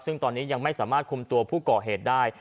ซึ่งตอนนี้ยังไม่สามารถคุมตัวผู้ก่อเหตุได้